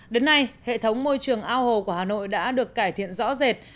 đến nay hệ thống môi trường ao hồ của hà nội đã được cải thiện rõ rệt